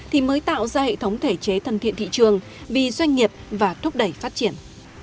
thì mới tạo ra hệ thống thể chế thân thiện thị trường vì doanh nghiệp và thúc đẩy phát triển